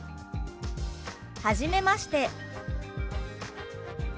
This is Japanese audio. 「はじめまして」。